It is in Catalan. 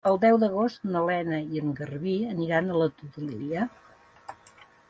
El deu d'agost na Lena i en Garbí aniran a la Todolella.